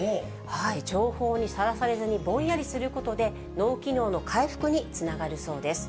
情報にさらされずにぼんやりすることで、脳機能の回復につながるそうです。